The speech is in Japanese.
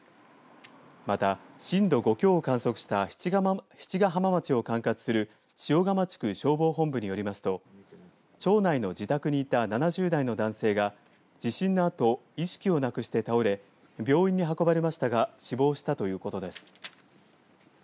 また、震度５強を観測した七ヶ浜町を管轄する塩釜地区消防本部によりますと町内の自宅にいた７０代の男性が地震のあと意識をなくして倒れ病院に運ばれましたが死亡したということです。